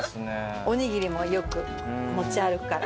おにぎりもよく持ち歩くから。